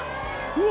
うわ！